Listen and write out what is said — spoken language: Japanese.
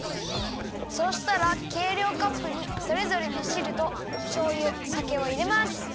そうしたらけいりょうカップにそれぞれのしるとしょうゆさけをいれます。